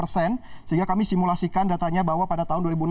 sehingga kami simulasikan datanya bahwa pada tahun dua ribu enam belas